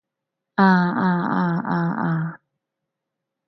啊啊啊啊啊